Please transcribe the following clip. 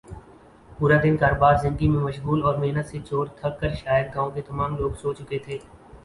پورا دن کاروبار زندگی میں مشغول اور محنت سے چور تھک کر شاید گاؤں کے تمام لوگ سو چکے تھے